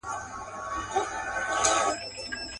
چي بربنډ دي چي غریب دي جي له هر څه بې نصیب دي.